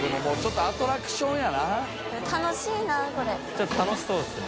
ちょっと楽しそうですね。